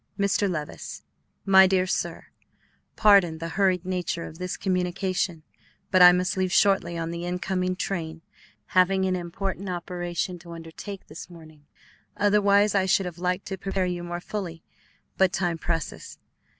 MR. LEVICE: MY DEAR SIR, Pardon the hurried nature of this communication, but I must leave shortly on the in coming train, having an important operation to undertake this morning; otherwise I should have liked to prepare you more fully, but time presses.